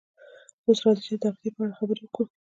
اوس راځئ چې د تغذیې په اړه خبرې وکړو